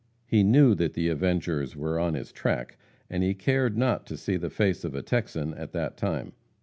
He knew that the avengers were on his track, and he cared not to see the face of a Texan at that time.